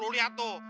lo liat tuh